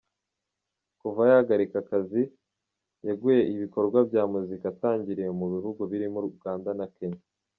Kuva yagarika akazi; yaguye ibikorwa bya muzika atangiriye mu bihugu birimo Uganda na Kenya.